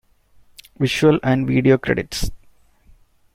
Visual and video credits